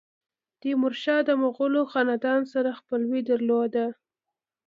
تیمورشاه د مغولو خاندان سره خپلوي درلوده.